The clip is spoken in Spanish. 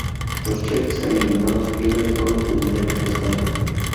Los chefs eliminados pierden todo su dinero restante.